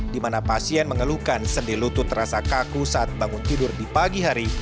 di mana pasien mengeluhkan sendi lutut terasa kaku saat bangun tidur di pagi hari